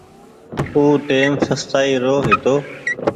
او ٽيم سستآئي رو هيتو۔